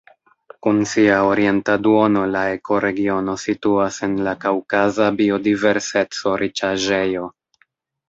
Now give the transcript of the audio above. Kun sia orienta duono la ekoregiono situas en la kaŭkaza biodiverseco-riĉaĵejo.